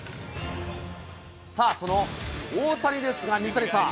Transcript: さあ、その大谷ですが、水谷さん、